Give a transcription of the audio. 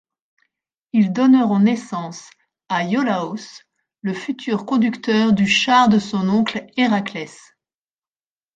Ils donneront naissance à Iolaos, le futur conducteur du char de son oncle Héraclès.